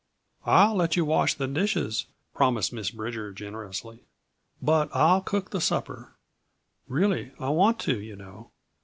"I'll let you wash the dishes," promised Miss Bridger generously. "But I'll cook the supper really, I want to, you know.